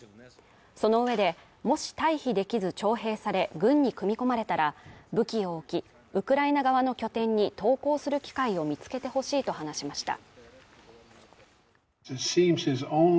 そのうえでもし退避できず徴兵され軍に組み込まれたら武器を置きウクライナ側の拠点に投降する機会を見つけてほしいと話しました